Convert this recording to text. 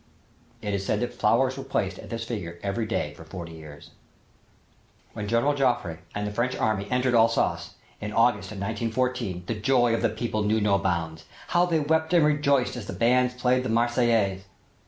It is said that flowers were placed at this figure every day for forty years. When General Joffre and the French army entered Alsace in August, 1914, the joy of the people knew no bounds. How they wept and rejoiced as the bands played the Marseillaise!